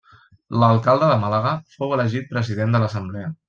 L'alcalde de Màlaga fou elegit president de l'assemblea.